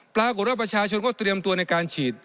ปรากฏว่าประชาชนก็เตรียมตัวในการฉีด